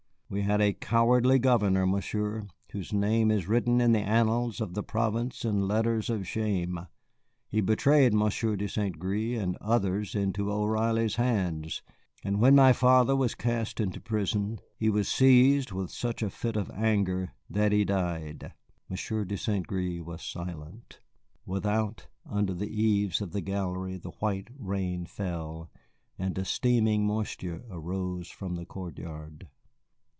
We had a cowardly governor, Monsieur, whose name is written in the annals of the province in letters of shame. He betrayed Monsieur de St. Gré and others into O'Reilly's hands, and when my father was cast into prison he was seized with such a fit of anger that he died." Monsieur de St. Gré was silent. Without, under the eaves of the gallery, a white rain fell, and a steaming moisture arose from the court yard.